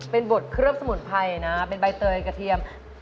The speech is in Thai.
เป็นบดเครื่องสมุนไพรนะเป็นใบเตยกระเทียม